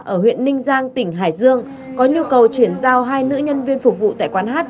ở huyện ninh giang tỉnh hải dương có nhu cầu chuyển giao hai nữ nhân viên phục vụ tại quán hát